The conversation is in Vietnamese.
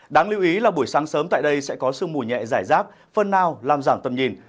đáng lưu ý là buổi sáng sớm tại đây sẽ có sương mù nhẹ giải rác phần nào làm giảm tầm nhìn